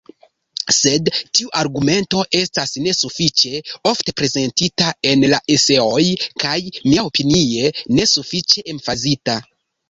Sed tiu argumento estas nesufiĉe ofte prezentita en la eseoj, kaj, miaopinie, nesufiĉe emfazita.